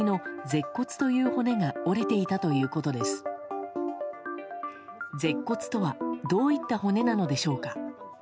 舌骨とはどういった骨なのでしょうか。